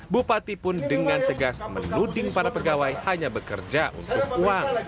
bupati pun dengan tegas menuding para pegawai hanya bekerja untuk uang